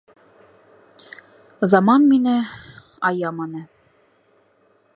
Заман мине... аяманы.